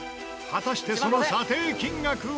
果たしてその査定金額は？